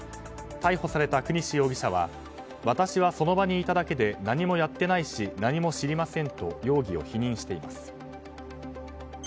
逮捕された國司容疑者は私はその場にいただけで何もやっていないし何も知りませんと容疑を否認しています。